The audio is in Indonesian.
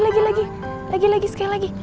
lagi lagi sekali lagi